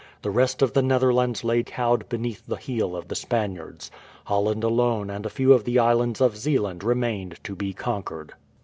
The rest of the Netherlands lay cowed beneath the heel of the Spaniards. Holland alone and a few of the islands of Zeeland remained to be conquered.